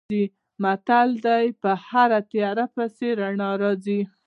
متل دی: په هره تیاره پسې رڼا راځي.